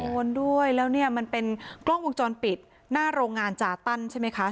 โดนด้วยแล้วเนี่ยมันเป็นกล้องวงจรปิดหน้าโรงงานจาตันใช่ไหมคะ